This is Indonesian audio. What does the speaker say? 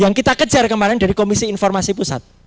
yang kita kejar kemarin dari komisi informasi pusat